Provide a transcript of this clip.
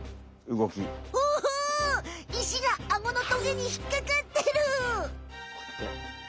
いしがアゴのトゲにひっかかってる！